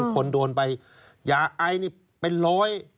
คนโดนไปยาไอนี่เป็นร้อย